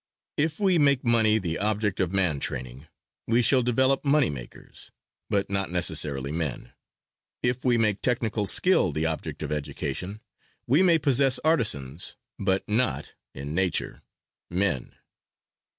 If we make money the object of man training, we shall develop money makers but not necessarily men; if we make technical skill the object of education, we may possess artisans but not, in nature, men.